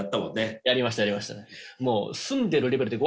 やりましたやりました。